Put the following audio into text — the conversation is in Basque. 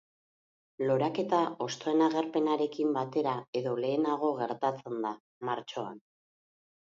Loraketa hostoen agerpenarekin batera edo lehenago gertatzen da, martxoan.